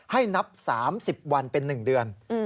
นับ๓๐วันเป็น๑เดือน